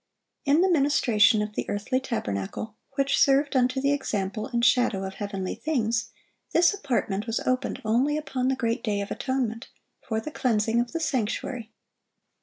In the ministration of the earthly tabernacle, which served "unto the example and shadow of heavenly things," this apartment was opened only upon the great day of atonement, for the cleansing of the sanctuary.